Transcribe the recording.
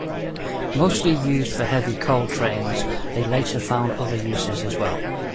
Mostly used for heavy coal trains, they later found other uses as well.